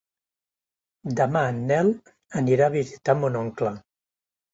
Demà en Nel anirà a visitar mon oncle.